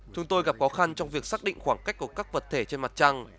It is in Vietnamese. chúng tôi gặp khó khăn trong việc xác định khoảng cách của các vật thể trên mặt trăng